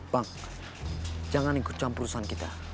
bang jangan ikut campur urusan kita